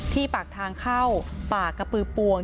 ปากทางเข้าป่ากระปือปวง